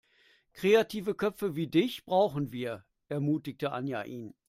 Kreative Köpfe wie dich brauchen wir, ermutigte Anja ihn.